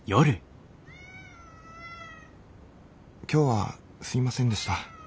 「今日はすいませんでした。